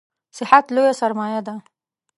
صحت لویه سرمایه ده